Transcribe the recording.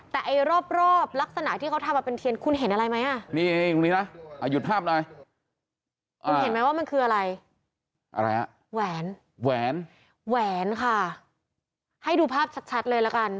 แต่ไอ้รอบรักษณะที่เค้าทำอะเป็นเทียนคุณเห็นอะไรมั้ย